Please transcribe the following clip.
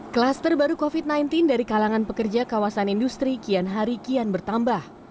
klaster baru covid sembilan belas dari kalangan pekerja kawasan industri kian hari kian bertambah